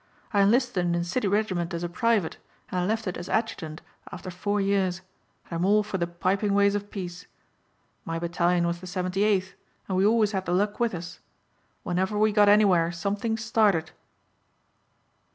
I enlisted in a city regiment as a private and I left it as adjutant after four years and I'm all for the piping ways of peace. My battalion was the 78th and we always had the luck with us. Whenever we got anywhere something started."